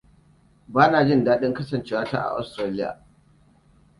Bana jin daɗin kasancewa ta a Austaralia.